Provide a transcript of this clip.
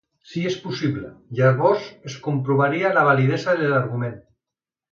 Si és possible, llavors es comprovaria la validesa de l'argument.